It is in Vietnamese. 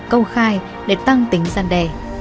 câu khai để tăng tính gian đề